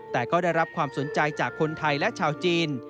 แต่ก็ได้รับความสนใจจากคนไทยและชาวจีน